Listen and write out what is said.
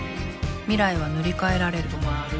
［未来は塗り替えられる］